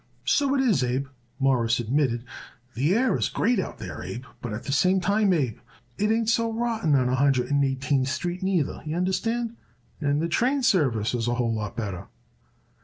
"So it is, Abe," Morris admitted. "The air is great out there, Abe, but at the same time, Abe, the air ain't so rotten on a Hundred and Eighteenth Street neither, y'understand, and the train service is a whole lot better."